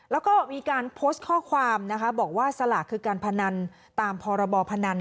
แล้วก็มีการโพสต์ข้อความนะคะบอกว่าสลากคือการพนันตามพรบพนัน